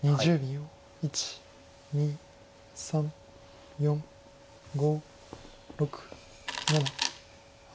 １２３４５６７８。